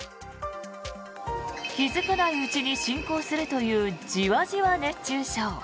気付かないうちに進行するというじわじわ熱中症。